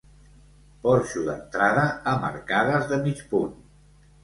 Porxo d'entrada amb arcades de mig punt.